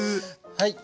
はい！